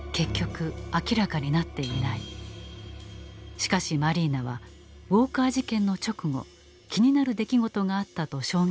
しかしマリーナはウォーカー事件の直後気になる出来事があったと証言していた。